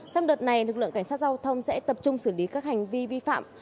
trong đợt này lực lượng cảnh sát giao thông sẽ tập trung xử lý các hành vi vi phạm